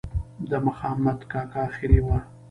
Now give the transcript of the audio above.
د مخامد کاکا آخري وه.